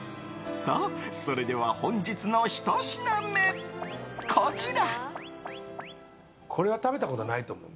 それでは本日の１品目、こちら。